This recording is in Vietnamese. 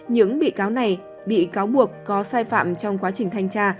những bị cáo này bị cáo buộc có sai phạm trong quá trình thanh tra